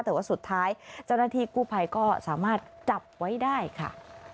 แต่ว่าสุดท้ายเจ้าหน้าที่กู้ภัยก็สามารถจับไว้ได้ค่ะ